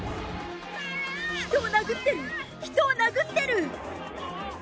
人を殴ってる、人を殴ってる。